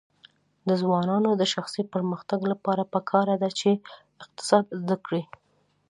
د ځوانانو د شخصي پرمختګ لپاره پکار ده چې اقتصاد زده کړي.